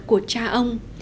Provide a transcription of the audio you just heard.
của cha ông